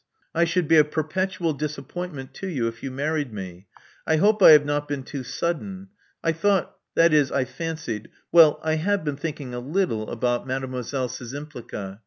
I should be a perpetual disappointment to you if you married me. I hope I have not been too sudden. I thought — that is, I fancied Well, I have been thinking a little about Mdlle. Szczympliga.